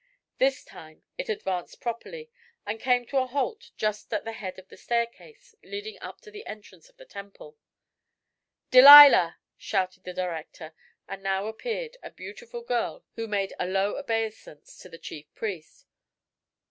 This time it advanced properly and came to a halt just at the head of the staircase leading up to the entrance to the temple. "Delilah!" shouted the director, and now appeared a beautiful girl who made a low obeisance to the chief priest.